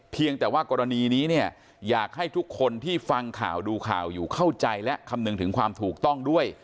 เพียงแต่ว่ากรณีนี้เนี่ยอยากให้ทุกคนที่ฟังข่าวดูข่าวอยู่เข้าใจและคำนึงถึงความถูกต้องด้วย